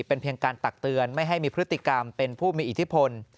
เป็นเพียงการตักเตือนไม่ให้มีพฤติกรรมเป็นผู้มีอิทธิพล